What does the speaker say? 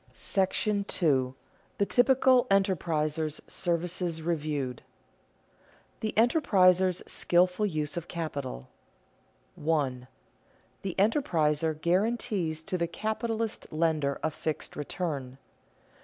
§ II. THE TYPICAL ENTERPRISER'S SERVICES REVIEWED [Sidenote: The enterpriser's skilful use of capital] 1. _The enterpriser guarantees to the capitalist lender a fixed return.